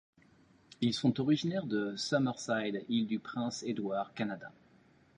Ils sont originaires de Summerside, Île-du-Prince-Édouard, Canada.